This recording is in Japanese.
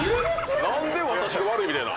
何で私が悪いみたいな。